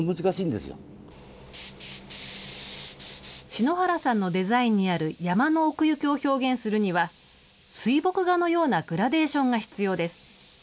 篠原さんのデザインにある山の奥行きを表現するには、水墨画のようなグラデーションが必要です。